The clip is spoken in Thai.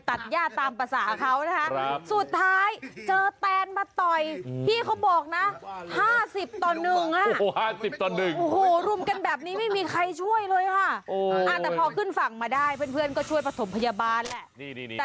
แต่พอขึ้นฝั่งมาได้เพื่อนก็ช่วยผสมพยาบาลแหละ